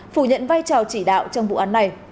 phủ nhận vai trò chỉ đạo trong vụ án này